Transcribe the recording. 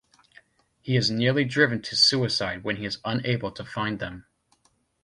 He is nearly driven to suicide when he is unable to find them.